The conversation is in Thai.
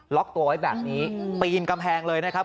ตัวไว้แบบนี้ปีนกำแพงเลยนะครับ